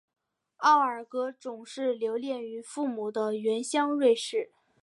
奥乃格总是留恋于父母的原乡瑞士。